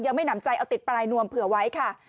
หนำใจเอาติดปลายนวมเผื่อไว้ค่ะ